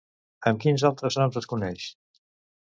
Amb quins altres noms es coneix?